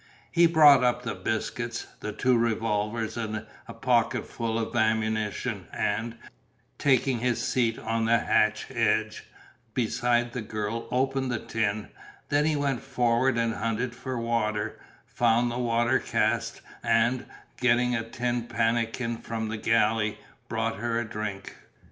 He brought up the biscuits, the two revolvers and a pocketful of ammunition and, taking his seat on the hatch edge beside the girl, opened the tin; then he went forward and hunted for water, found the water cask and, getting a tin pannikin from the galley, brought her a drink.